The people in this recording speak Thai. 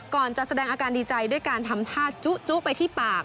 ก่อนจะแสดงอาการดีใจด้วยการทำท่าจุไปที่ปาก